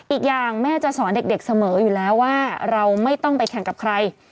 อีกอย่างแม่จะสอนเด็กเสมออยู่แล้วว่าเราไม่ต้องไปแข่งกับใคร